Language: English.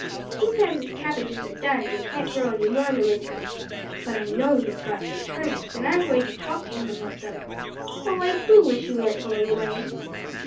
He says his cabbages are done, and he can't grow any more in the winter. But I know he has got some turnips, and I'm going to talk to him about them. Oh, I do wish you weren't going away!"